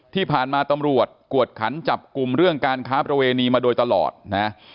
ที่ผ่านมาตำรวจกวดขันจับกลุ่มเรื่องการค้าประเวณีมาโดยตลอดนะ